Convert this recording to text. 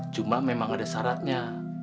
cuma memang ada syaratnya